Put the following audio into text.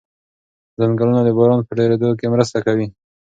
ځنګلونه د باران په ډېرېدو کې مرسته کوي.